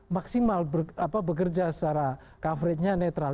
maksimal bekerja secara coveragenya netral